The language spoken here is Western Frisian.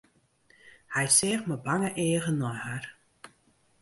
Hy seach mei bange eagen nei har.